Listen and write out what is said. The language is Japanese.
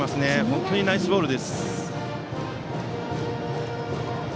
本当にナイスボールです。